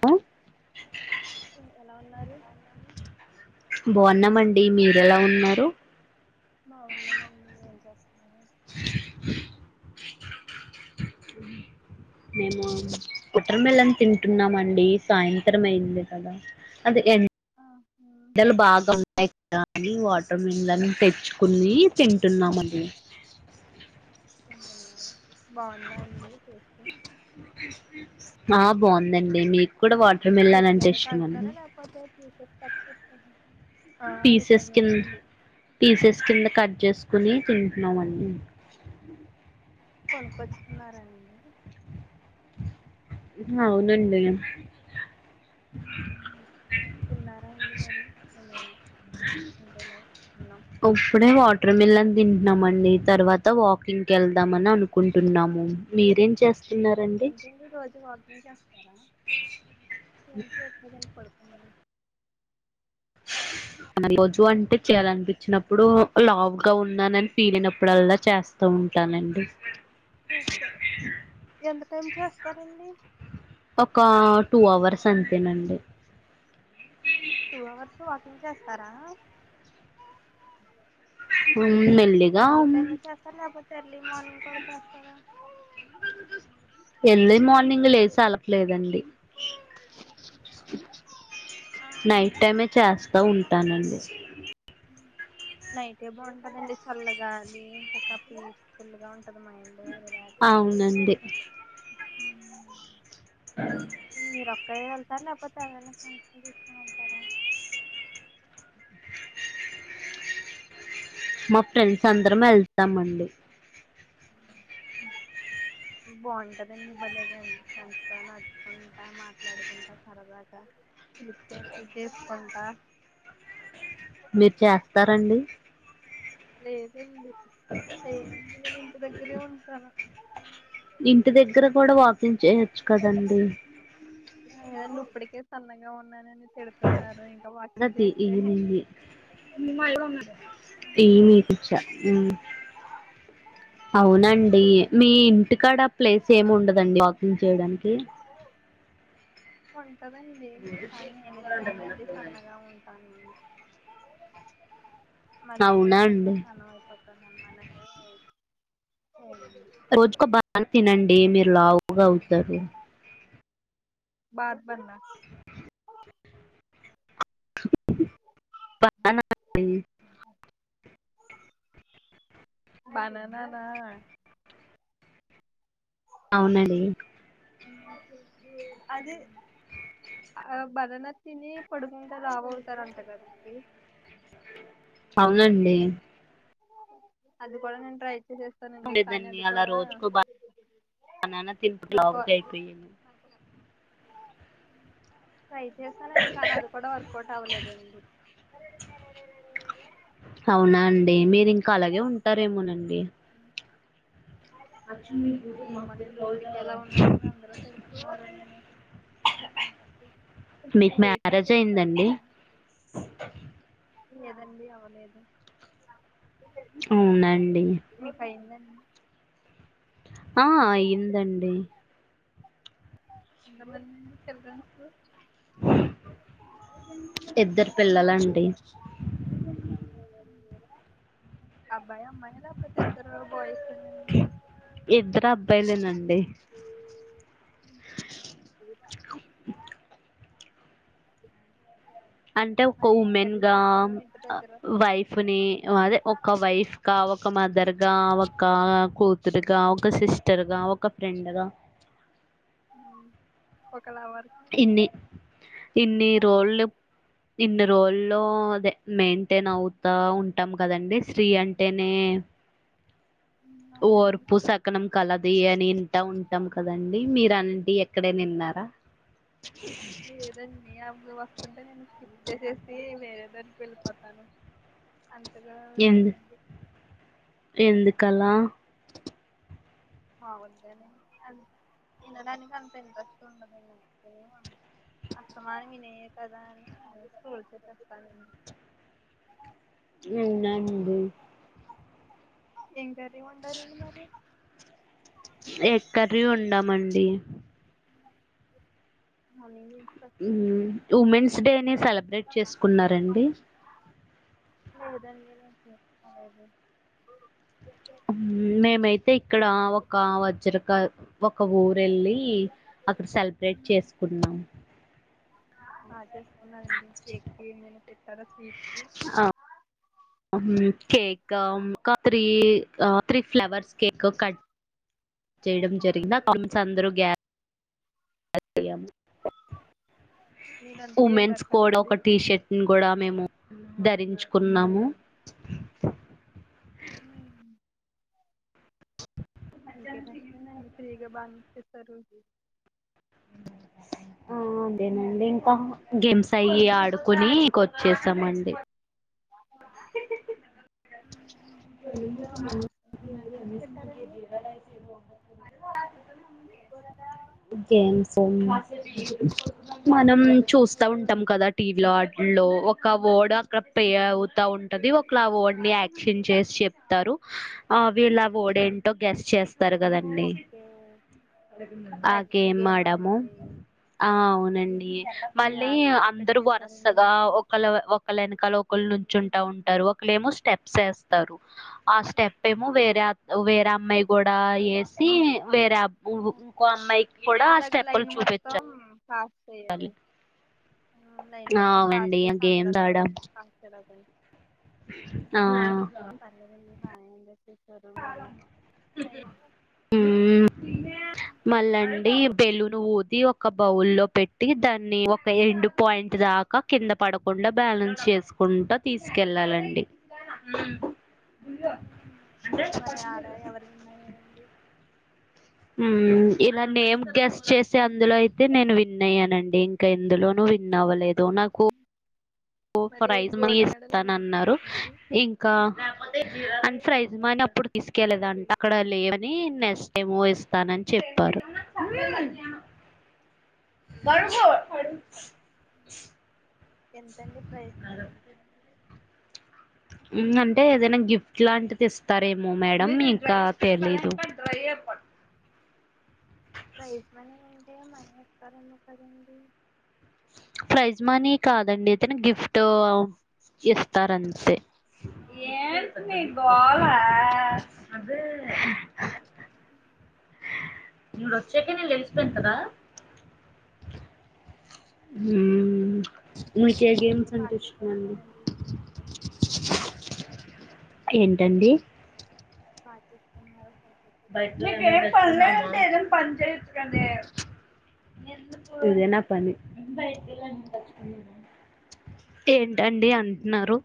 మ్ ఎలా ఉన్నారు. బాగున్నామండి మీరు ఎలా ఉన్నారు. బాగున్నామని మీరేం చేస్తున్నారు. మేము వాటర్ మిలన్ తింటున్నామండి సాయంత్రం అయింది కదా. అది ఎన్ ఆ డలు బాగా. ఎండ అనీ వాటర్ మిలను తెచ్చుకుని తింటున్నామండి. [inaudible] బాగుందా అండి టేస్టు. ఆ బాగుందండి మీకు కు కూడా వాటర్ మిల్లన్ జ్యూస్ అంటే లాగా ఇష్టమా అండి తాగుతున్నారా లేకపోతే పీసెస్ కట్ చేసి పీసెస్ కింద పీసెస్ కింద కట్ చేసుకుని ఉమ్, తింటున్నామండి కొనుక్కొచ్చుకున్నారాండి అవునండి తిన్నారా అండి మరి ఏమైనా అంతేలా ఉన్నాం ఇప్పుడే వాటర్ మిలన్ తింటున్నాం అండి తర్వాత వాకింగ్కి వెళ్దాం అని అనుకుంటున్నాము మీరేం చేస్తున్నారండి ఏంటడి రోజు వాకింగ్ చేస్తారా ఏం చేయట్లేదండి పడుకున్నా మ రోజు వంట చేయాలనిపించినప్పుడు ఇప్పుడు లావ్గా ఉన్నానని వీలైనప్పుడుల్లా చేస్తా ఉంటానండి చేస్తారు ఎంత టైం చేస్తారండి ఒక టూ అవర్స్ అంతేనండి టూ అవర్స్ వాకింగ్ చేస్తారా మెల్లిగా నైట్ టైమే చేస్తారా కాకపోతే ఎర్లీ మార్నింగ్ కూడా చేస్తారా ఎర్లీ మార్నింగ్ లేచే అలపలేదండి నైట్ ఆహా టైమే చేస్తా ఉ ఇత్తానంది నైటే బావుంటదండి చల్ల గాలి ఇంతకా పీస్ ఫుల్ గా ఉంటు అవునండి మ్మ్ మీ రొక్క వె [unintelligible] మా ఫ్రెండ్స్ అందరం వెళ్తామండి బావుంటదండి భలేగా ఫాస్టుగా నడుచుకుంటా మాట్లాడుకుంటా సరదాగా చిలిపి చేష్టలు చేసుకుంటా మీరు చేస్తారండి లేదండి చేయనండి నేను ఇంటి దగ్గరే ఉంటాను ఇంటి దగ్గర కూడా వాకింగ్ చేయచ్చు కదండి లేదండి ఇప్పటికే సన్నగా ఉన్నానని తిడతున్నారు ఇంకా వాకింగ్ మదతి చేస్తే ఈనీంది ఏ మీకిచ్చ అవునండి మీ ఇంటికాడ ప్లేస్ ఏమి ఉండదండి వాకింగ్ చేయడానికి ఉ కదం లే కానీ నేనైతే ఎనర్జీస్ సన్నగా ఉంటాను మళ్ళీ అవునా చేస్తే ఇంకా అండి సన్నం అయిపోతానేమో మన స రోజుకో బాగా తినండి మీరు లావుగా అ [unintelligible] బాధ పడతాన [unintelligible] బననా నా అవునండి అదే ఆ భరన తిని పడుకుంటే లావవుతారంట కదండి అవునండి అది కొనగని ట్రై చేసేస్తానండి ఉండే కానీ దాన్ని అది అలా కూడా రోజుకో బా బ నాన్న తింపు నాకు లావుగయిపోయాను ట్రై చేస్తానండి కానీ అది కూడా వర్కౌట్ అవ్వలేదండి క అలాగే ఉంటారేమోనండి ఏమోనండి ఇప్పడికి ఎలా ఉన్నానని అందరూ తిడుతున్నార నే కొంచం మీకు మీ మ్యారేజ్ అయిందండి ఎట్నాకిస్తారండి లేదండి అవ్వలేదు అవునండి మీకు అయిందండి ఆ అయిందండి ఎంత మందండి చిల్డ్రన్సు ఇద్దరు పిల్లలండి అబ్బాయ అమ్మాయ లేపోతే ఇద్దరు బాయిస్ ఏ న ఇద్దరు అబ్బాయిలేనండి అంటే ఒక మరి ఏం ఉమెన్ కర్రీస్ గా చేస్తారు మీ ఇంటి అ దగ్గర వైఫ్ ని అదే ఒక వైఫ్గా ఒక మదర్గా ఒక కూతురుగా ఒక సిస్టర్గా ఒక ఫ్రెండ్గా ఒక లవర్ ఇన్ని ఇన్ని రోళ్లు ఇన్ని రోల్లో అదే మెయింటైన్ అవుతా ఉంటాం కదండి స్త్రీ అంటేనే అవునండి ఓర్పు సకనం కలా అది అని ఇంటా ఉంటాం కదండి మీరు అంటి ఎక్కడే నిన్నారా లేదండి అబువా ఎకుంటే నేను స్కిల్ చేసేసి వేరే దానికి వెళ్ళిపోతాను అంతగా ఎందు విననండి ఎందుకలా మామూలుగానే అ వినడాానికి అంత ఇంట్రెస్ట్ ఉండదండి నినందు ఇం కర్రీ వండరండి మరి ఎగ్ కర్రీ ఒండమండి అని ఉమ్ ఉమెన్స్ డేని సెలబ్రేట్ చేసుకున్నరండి లేదండి నేన్ చేసుకోలేదు మ్మ్, మేమైతే ఇక్కడ వెళ్ళి అక్కడ సెలబ్రేట్ చేసుకున్నాం అదే అవునా అండీ కేక్ ఏమైనా పె చర స్వీట్స్సు ఆ, కేక్ కత్రి త్రీ ఫ్లవర్స్ కేక్ కట్ చేయడం జరిగిన కమ్స్ అందరూ గ్యా మీరు అందుకే ఉమెన్స్ వెళ్ళారు కోడ్ కదండి ఒక టీషర్ట్ కూడా మేము ధరించుకున్నాము మీకే బెస్ట్ అండి అన్ని ఫ్రీగా బానేచేశారు థ్యా [inaudible] ఆ అదేనండి ఇంకా గేమ్స్ అయి ఆడుకుని ఇంక వచ్చేసామండి గేమ్స్ ఏం గేమ్స్ పెట్టారండి గేమ్స్ మనం చూస్త చూస్తూ ఉంటాం కదా టీవీలో లో ఒక ఓల్డ్ అక్కడ పే ఆవ్ తా ఉంటది ఒకలు ఆ వర్డ్ని యాక్షన్ చేసి చెప్తారు అవి ఇలా ఓడేంటో గెస్ చేస్త చూస్తారు కదండి ఓకే అ యాక్షన్ గేమ్ ఆడాము అండి ఆ అవునండి మీరా మళ్ళీ పార్టిసిపేట్ అందరు చేశారండి వరుసగా మరి ఒకళ ఒకళ వెనకాల ఒకళ నుంచి కూర్చుంటా ఉంటారు ఒకళ్ళు ఏమో స్టెప్స్ వేస్తారు ఆ స్టెప్ ఏమో వేరే వేరే అమ్మాయి కూడా వేసి వేరే ఇంకో ఓకే అమ్మాయికి కూడా ఆ స్టెప్పులు చూపించి [unintelligible] నలైన్ మొత్తం పాస్ అవునండి చేసి గేమ్స్ అందరు ఆడాం పాస్ చేలేద ఆ బాయ్ అండి సుమారు ఎన మళ్ళా అండి బెలూన్ ఊది ఒక బౌల్ లో పెట్టి దాన్ని ఒక ఎండ్ పాయింట్ దాకా కింద పడకుండా బ్యాలెన్స్ చేసుకుంటా తీసుకెళ్ళాలండి మరి ఆడ ఎవరు విన్నయ్యారండి హ్మ్ ఇలా నేం గెస్ట్ చేసే అందులో అయితే నేను విన్ అయ్యానండి ఇంకా ఎందులోనూ విన్ అవ్వలేదు ధో నాకు ఓ మరి ప్రైజ్ మనీ గోల్డ్ మెడల్ ఇస్తాను ఏమైనా అన్నారు ఇచ్చారండి ఇంకా అంత ఫ్రైజమాని అప్పుడు తీసుకెళ్ళలేదంట అక్కడ లేవని నెక్స్ట్ టైమ్ ఇస్తానని చెప్పారు మరుగు [inaudible] ఎంతండి ప్రైజ్ మనీ హ్మ్ అంటే ఏదైనా గిఫ్ట్ లాంటిది ఇస్తారేమో మేడం ఇంకా తెలీదు ప్రైస్ మనీ యు మనీ ఇస్తారనే కదండీ ప్రైజ్ మనీ కాదండి ఏదన్నా గిఫ్టో ఇస్తారంతే గిఫ్ట్ ఏంటి మీ ఇస్తారండి గోల అదే ఇడు వచ్చాక నేను లెగుస్తాను కదా హ్మ్ మీకు ఏ అయితే గేమ్స్ అంటే బాగా ఇష్టం అండి చేసుకున్నారండి ఏంటండీ బాట్ చేసుకున్నారు సెలబ్రేట్ బట్టి ప చేసుకున్నారు ఎం ఉమెన్స్ డే పని లేకపోతే పని చేయుచు కదే ఇదేనా పని ఏంటండి అంటున్నారు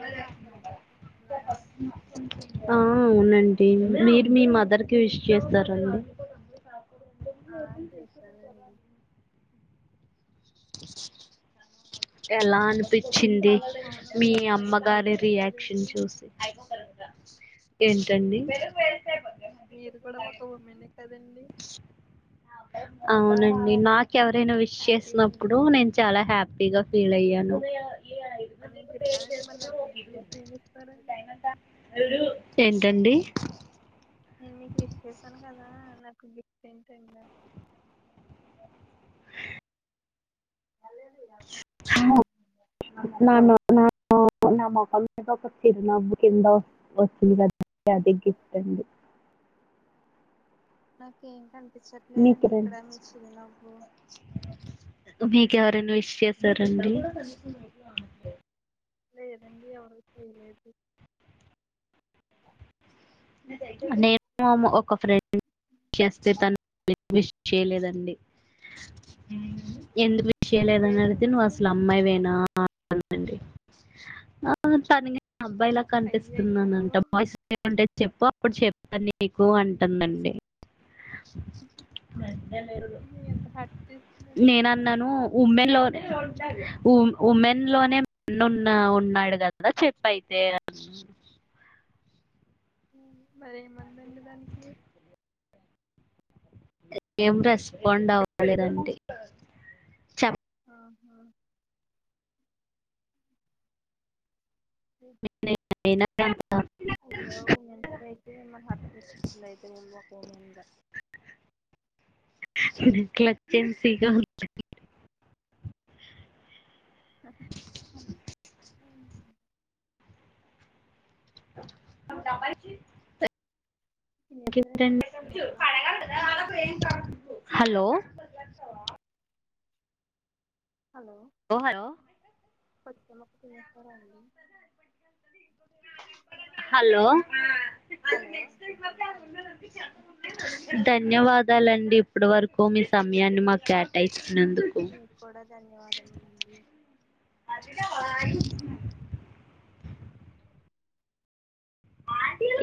రే బాషలు చూస్తున్నారా అంటు ఆ అవునండి మీరు మీ మదర్ కి విష్ చేస్తార అండి ఆ చేస్తానండి ఎలా అన్పి చ్చింది ఆ అవును మీ మీరు కూడా ఒక అమ్మగారి ఉమెనే రియాక్షన్ కదండి చూసి ఏంటండి మీరు కూడా ఒక ఉమెనే కదండి అవునండి నాక్ కెవరైనా విష్ హ్యాపీ ఉమెన్స్ చేసినప్పుడు డే నేను అండి చాలా హ్యాపీగా ఫీల్ అయ్యాను [unintelligible] మరి నేను చెప్పానండి మళ్ళీకి ఏం ఏమిస్తారండి ఏంటండి నేను మీకు విష్ చేస్తాను కదా నాకు గిఫ్ట్ ఏం [unintelligible] నువ్వు నానా [unintelligible] నా ముఖం మీద ఒక చిరునవ్వు కింద వచ్చింది కదా అదే గిఫ్ట్ అండి నాక్ ఎం పన్ మీకు ప్పించట్లేదండి ఇక్కడ మీ చిరునవ్వు ఎవరయినా విష్ చేశారండి [inaudible] నేను ఒక ఫ్రెండ్ చేస్తే తను విష్ చేయలేదండి ఎందుకు విష్ ఏ చేయలేదని అడిగితే నువ్వు అసలు ఏమైందండి అమ్మాయివేనా ఆ అందండి ఆ తనకి అబ్బాయి లా అయ్యయ్యో కనిపిస్తున్నానంట బాయ్స్ంటే చెప్పు అప్పుడు చెప్తా నీకు అంటుందండి ఇది ఎంత హర్ట్ చేస్తుందండి నేనన్నాను మిమ్మల్ని ఉమ్మెన్ లోనే ఉమ్ ఉమెన్ లోనే మెన్ ఉన్న ఉ అన్నాడు కదా చెప్పయితే మరి ఏమైందండి దానికి ఏం రెస్పాండ్ అవ్వలేదండి ఆహా [inaudible] అయ్యో ఉమెన్స్ డే కి ఏమన్నా హర్ట్ చేసేసింది అయితే [inaudible] ఒక ఉమెన్ గా [unintelligible] తినేసారండి ఎప్పుడండి పుచ్చకాయ ముక్క హలో ఓ హలో [unintelligible] తినేస్తారా అండి హలో హలో ధన్యవాదాలండి ఇప్పటి వరకు మీ సమయాన్ని మాకు కేటాయించ నందుకు మీకు కూడా ధన్యవాదములండి మాది ఉ